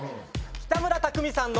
北村匠海さんの